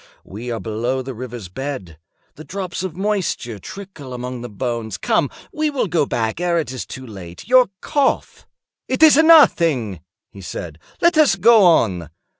We are below the river's bed. The drops of moisture trickle among the bones. Come, we will go back ere it is too late. Your cough—" "It is nothing," he said; "let us go on.